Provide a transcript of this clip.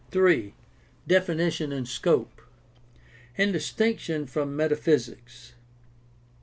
3. DEFINITION AND SCOPE In distinction from metaphysics.